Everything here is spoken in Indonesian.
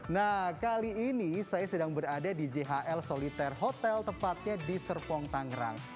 nah kali ini saya sedang berada di jhl soliter hotel tepatnya di serpong tangerang